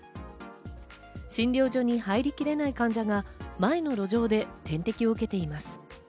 診療所に入りきれない患者が前の路上で点滴を受けています。